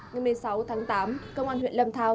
ngày một mươi sáu tháng tám công an huyện lâm thao